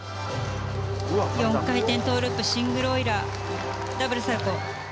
４回転トウループシングルオイラーダブルサルコウ。